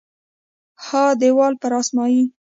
ها دیوال پر اسمایي